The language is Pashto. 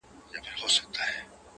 دا دلیل د امتیاز نه سي کېدلای،